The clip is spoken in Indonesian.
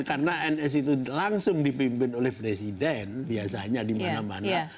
karena ns itu langsung dipimpin oleh presiden biasanya dimana mana